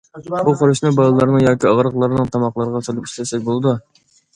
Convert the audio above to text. بۇ خۇرۇچنى بالىلارنىڭ ياكى ئاغرىقلارنىڭ تاماقلىرىغا سېلىپ ئىشلەتسەك بولىدۇ.